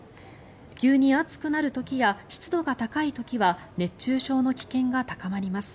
急に暑くなる時や湿度が高い時は熱中症の危険が高まります。